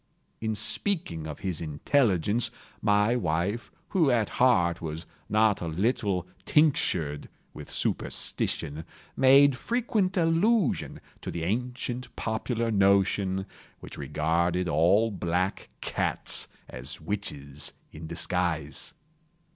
In speaking of his intelligence, my wife, who at heart was not a little tinctured with superstition, made frequent allusion to the ancient popular notion, which regarded all black cats as witches in disguise.